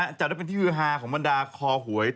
ว่าจะเป็นทีพิธีฮาของบรรดาคหวย